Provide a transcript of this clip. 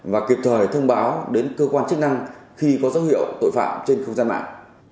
và kịp thời thông báo đến cơ quan chức năng khi có dấu hiệu tội phạm trên không gian mạng